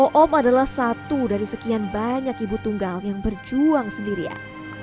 ⁇ oom adalah satu dari sekian banyak ibu tunggal yang berjuang sendirian